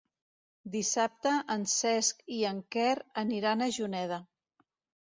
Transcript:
Dissabte en Cesc i en Quer aniran a Juneda.